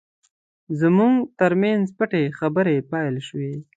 زموږ ترمنځ پټې خبرې پیل شوې.